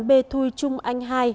b thuê trung anh hai